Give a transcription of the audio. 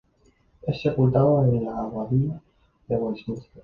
Es sepultado en la Abadía de Westminster.